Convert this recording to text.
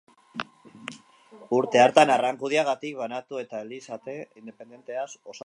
Urte hartan Arrankudiagatik banatu eta elizate independentea osatu zuen.